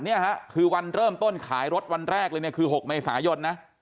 เนี่ยฮะคือวันเริ่มต้นขายรถวันแรกเลยเนี่ยคือ๖เมษายนนะ